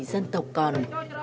thì dân tộc còn